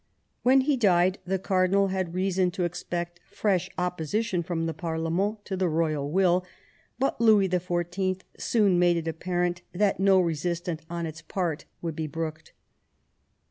When he died the cardinal had reason to expect fresh opposition from the parlement to the royal will, but Louis XIV. soon made it apparent that no resistance on its part would be brooked.